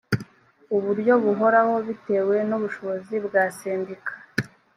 uburyo buhoraho bitewe n’ubushobozi bwa sendika